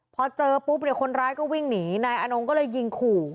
พอเจอปุ๊บเนี่ยคนร้ายก็วิ่งหนีนายอนงก็เลยยิงขู่